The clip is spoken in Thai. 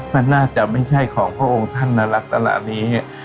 มันน่าจะไม่ใช่ของพระองค์ท่านในลักษณะนี้